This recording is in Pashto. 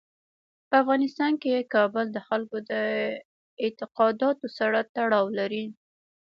په افغانستان کې کابل د خلکو د اعتقاداتو سره تړاو لري.